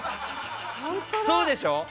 そうでしょ？